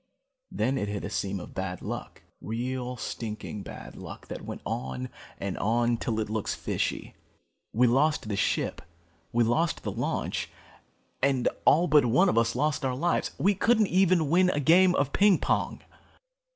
Then it hit a seam of bad luck. Real stinking bad luck that went on and on till it looks fishy. We lost the ship, we lost the launch, all but one of us lost our lives. We couldn't even win a game of ping pong.